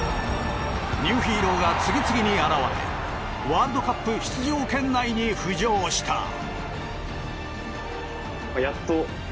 ニューヒーローが次々に現れワールドカップ出場圏内に浮上した。